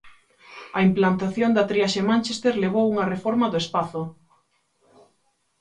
A implantación da triaxe Mánchester levou unha reforma do espazo.